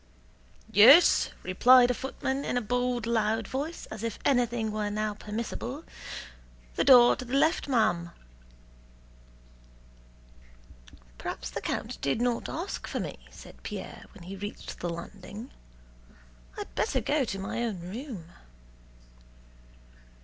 "Yes," replied a footman in a bold loud voice, as if anything were now permissible; "the door to the left, ma'am." "Perhaps the count did not ask for me," said Pierre when he reached the landing. "I'd better go to my own room."